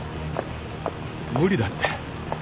無理だって。